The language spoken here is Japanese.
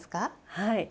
はい。